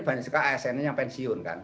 banyak sekali asn yang pensiun kan